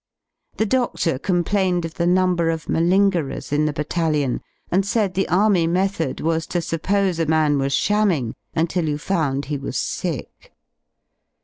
The dodlor complained of the number of malingerers in the battalion, and said the Army method was >^^ to suppose a man was shamming until you found he was ^ sick.